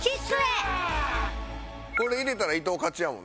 これ入れたら伊藤勝ちやもんな。